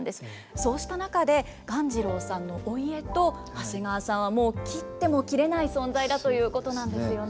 そうした中で鴈治郎さんのお家と長谷川さんはもう切っても切れない存在だということなんですよね。